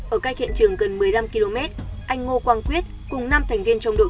ở cách hiện trường gần một mươi năm km anh ngô quang quyết cùng năm thành viên trong đội